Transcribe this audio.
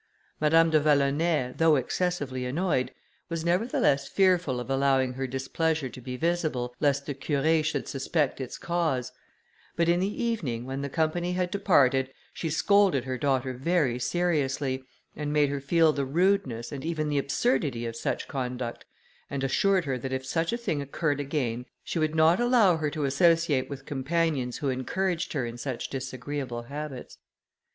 Madame de Vallonay, though excessively annoyed, was nevertheless fearful of allowing her displeasure to be visible, lest the Curé should suspect its cause, but in the evening, when the company had departed, she scolded her daughter very seriously, and made her feel the rudeness, and even absurdity, of such conduct, and assured her that if such a thing occurred again, she would not allow her to associate with companions, who encouraged her in such disagreeable habits.